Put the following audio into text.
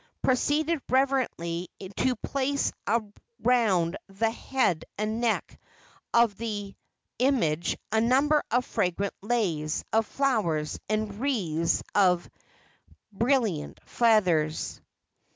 proceeded reverently to place around the head and neck of the image a number of fragrant leis of flowers and wreaths of brilliant feathers.